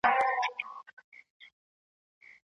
بالاحصار خلک د ناڅرګند راتلونکي په اړه اندېښمن شول.